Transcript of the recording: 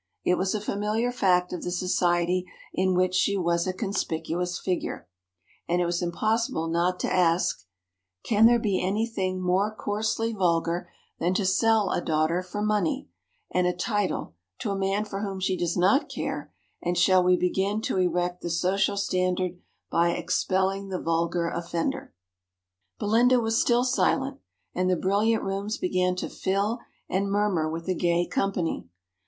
It was a familiar fact of the society in which she was a conspicuous figure, and it was impossible not to ask: "Can there be anything more coarsely vulgar than to sell a daughter for money and a title to a man for whom she does not care; and shall we begin to erect the social standard by expelling the vulgar offender?" Belinda was still silent, and the brilliant rooms began to fill and murmur with a gay company.